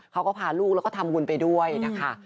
เขาก็พาลูกแล้วก็ทำบุญไปด้วยนะคะ